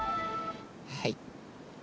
はい。